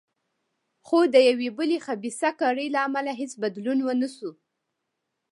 خو د یوې بلې خبیثه کړۍ له امله هېڅ بدلون ونه شو.